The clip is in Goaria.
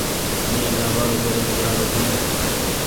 مين لآبآرو ڪرين جآرو ڇون۔